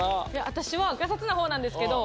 私はガサツなほうなんですけど。